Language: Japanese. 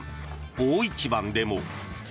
大一番でも。